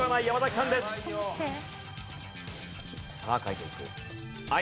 さあ書いていく。